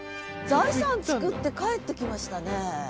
財産作って帰ってきましたね。